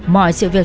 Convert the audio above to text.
mọi sự việc